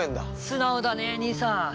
素直だねえ兄さん。